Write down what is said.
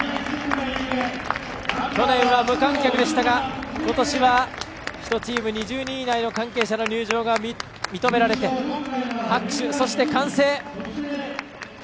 去年は無観客でしたがことしは１チーム２０人以内の関係者の入場が認められて拍手、そして歓声。